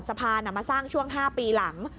สะพานมาสร้างช่วง๕ปีหลัง